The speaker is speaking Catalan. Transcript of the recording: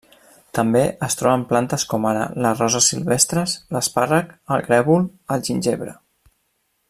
També es troben plantes com ara: les roses silvestres, l'espàrrec, el grèvol, el ginebre.